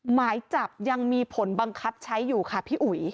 หมายจับยังมีผลบังคับใช้อยู่ค่ะพี่อุ๋ย